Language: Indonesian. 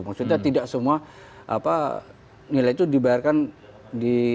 maksudnya tidak semua apa nilai itu dibayarkan di awal bulan